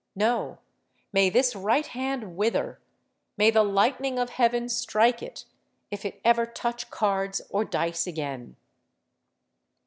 No: may this right hand wither—may the lightning of heaven strike it—if it ever touch cards or dice again!'